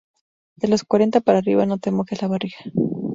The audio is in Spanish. De los cuarenta para arriba, no te mojes la barriga